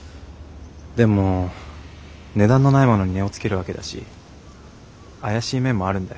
でも値段のないものに値をつけるわけだし怪しい面もあるんだよ。